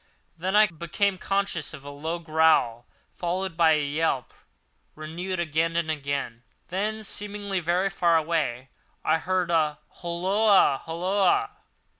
Then I became conscious of a low growl, followed by a yelp, renewed again and again. Then, seemingly very far away, I heard a "Holloa! holloa!"